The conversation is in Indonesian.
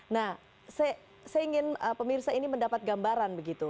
nah saya ingin pemirsa ini mendapat gambaran begitu